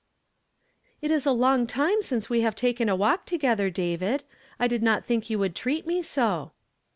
" It is a lonpr time since we have taken a walk together, David. I did not think you would treat me so